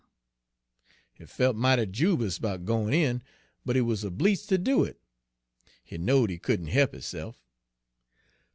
He felt mighty jubous 'bout gwine in, but he was bleedst ter do it; he knowed he couldn' he'p 'isse'f.